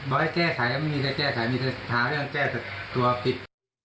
บอกให้แจ้สายไม่มีทางแจ้สายมีทางหาเรื่องแจ้สัตว์ตัวผิด